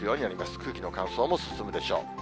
空気の乾燥も進むでしょう。